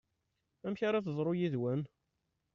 Amek ara teḍru yid-wen?